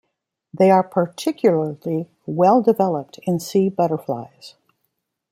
They are particularly well-developed in sea butterflies.